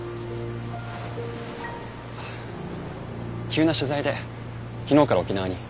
急な取材で昨日から沖縄に。